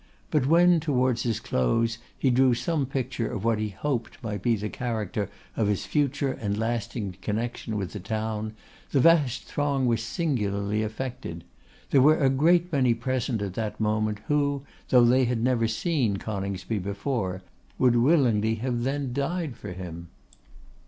But when, towards his close, he drew some picture of what he hoped might be the character of his future and lasting connection with the town, the vast throng was singularly affected. There were a great many present at that moment who, though they had never seen Coningsby before, would willingly have then died for him.